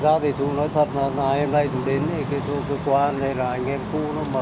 thật ra thì chú nói thật là ngày hôm nay chúng đến thì cái chỗ cơ quan hay là anh em khu nó mời